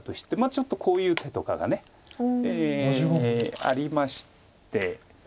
ちょっとこういう手とかがありまして。